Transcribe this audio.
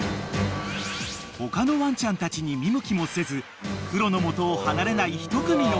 ［他のワンちゃんたちに見向きもせずクロの元を離れない１組の親子］